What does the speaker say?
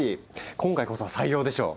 今回こそは採用でしょう？